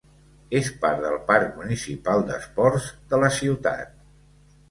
És part del Parc Municipal d'Esports de la ciutat.